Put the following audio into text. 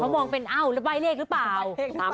เขามองเป็นเอาแล้วใบเลขหรือเปล่า